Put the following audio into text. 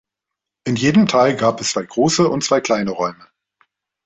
In jedem Teil gab es zwei große und zwei kleine Räume.